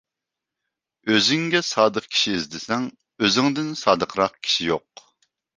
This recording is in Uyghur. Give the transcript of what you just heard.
ئۆزۈڭگە سادىق كىشى ئىزدىسەڭ ئۆزۈڭدىن سادىقراق كىشى يوق.